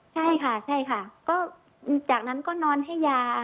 ใช่ค่ะใช่ค่ะก็จากนั้นก็นอนให้ยา